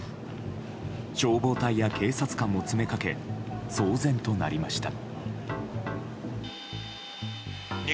消防隊や警察官も詰め掛け騒然となりました。